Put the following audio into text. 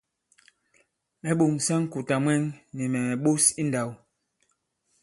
Mɛ̌ ɓòŋsa ŋ̀kùtà mwɛŋ, nì mɛ̀ mɛ̀ ɓos i ǹndāw.